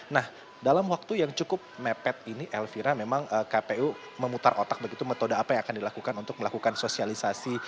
nah dalam waktu yang cukup mepet ini elvira memang kpu memutar otak begitu metode apa yang akan dilakukan untuk melakukan sosialisasi